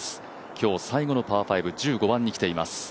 今日最後のパー５、１５番に来ています。